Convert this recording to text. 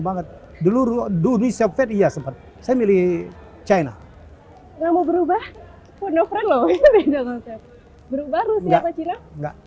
banget dulu dunia soviet iya sempat saya milih china kamu berubah ponofren berubah